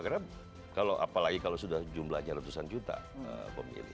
karena kalau apalagi kalau sudah jumlahnya ratusan juta pemilih